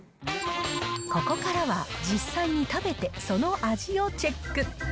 ここからは、実際に食べて、その味をチェック。